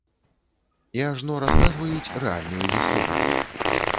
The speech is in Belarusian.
І ажно расказваюць рэальную гісторыю.